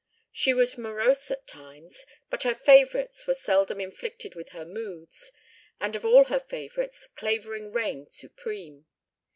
She was morose at times, but her favorites were seldom inflicted with her moods, and of all her favorites Clavering reigned supreme.